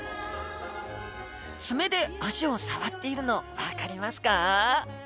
爪で脚を触っているの分かりますか？